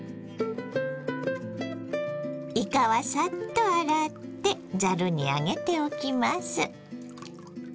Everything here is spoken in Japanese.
いかはサッと洗ってざるに上げておきます。